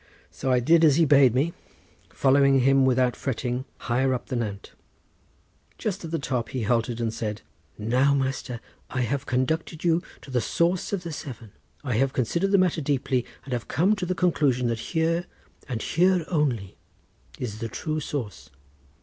So I did as he bade me, following him without fretting higher up the nant. Just at the top he halted and said, "Now, master, I have conducted you to the source of the Severn. I have considered the matter deeply, and have come to the conclusion that here, and here only, is the true source.